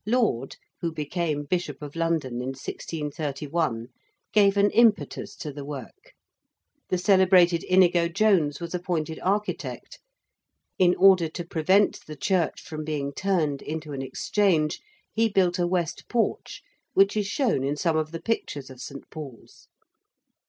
Laud, who became Bishop of London in 1631, gave an impetus to the work: the celebrated Inigo Jones was appointed architect: in order to prevent the church from being turned into an Exchange, he built a West Porch, which is shown in some of the pictures of St. Paul's.